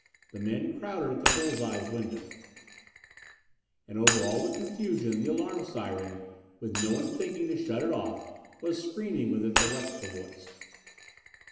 The men crowded at the bulls' eye windows. And over all the confusion the alarm siren, with no one thinking to shut it off, was screaming with its electrical voice.